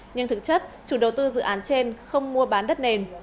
nhưng thực chất chủ đầu tư dự án trên không mua bán đất nền